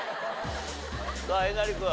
さあえなり君。